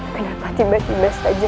kenapa tiba tiba saja